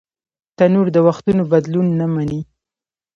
تنور د وختونو بدلون نهمني